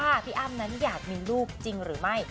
พี่อ้ำนั้นอยากมีลูกจริงหรือไม่